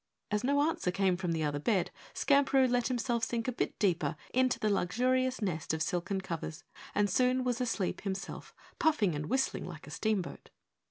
As no answer came from the other bed, Skamperoo let himself sink a bit deeper into the luxurious nest of silken covers and soon was asleep himself, puffing and whistling like a steamboat.